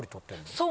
そう